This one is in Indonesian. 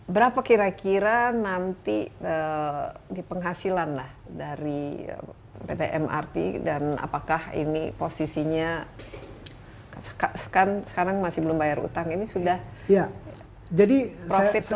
berapa kira kira nanti di penghasilan lah dari pt mrt dan apakah ini posisinya sekarang masih belum bayar utang ini sudah jadi profit